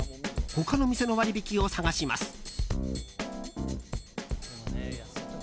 他の店の割引を探します。